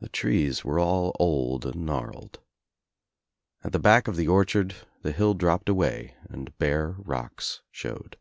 The trees were all old and gnarled. At the back of the orchard the hill dropped away and bare rocks showed.